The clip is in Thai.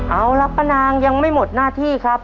เอาล่ะป้านางยังไม่หมดหน้าที่ครับ